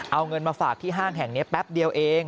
เอาเงินมาฝากที่ห้างแห่งนี้แป๊บเดียวเอง